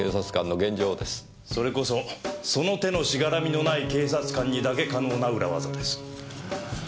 それこそその手のしがらみのない警察官にだけ可能な裏技です。